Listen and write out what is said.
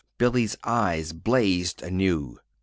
Billy's eyes blazed anew.